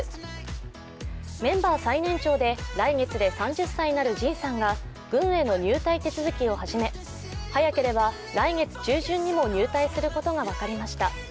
メンバー最年長で来月で３０歳になるＪＩＮさんが軍への入隊手続きを始め早ければ来月中旬にも入隊することが分かりました。